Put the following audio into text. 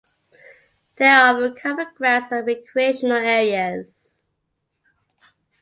There are of common grounds and recreational areas.